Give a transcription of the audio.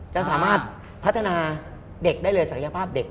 จะสามารถพัฒนาเด็กได้เลยศักยภาพเด็ก